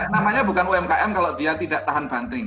namanya bukan umkm kalau dia tidak tahan banting